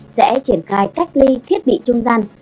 sẽ triển khai cách ly thiết bị trung gian